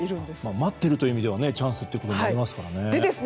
待っているという意味ではチャンスになりますね。